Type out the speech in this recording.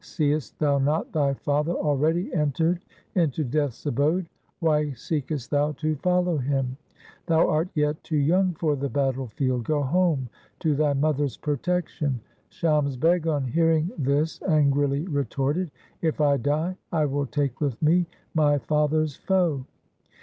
Seest thou not thy father already entered into Death's abode ? Why seekest thou to follow him ? Thou art yet too young for the battle field. Go home to thy mother's protection.' Shams Beg on hearing this angrily retorted, ' If I die, I will take with me my father's foe.'